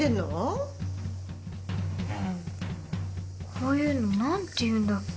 こういうの何て言うんだっけ？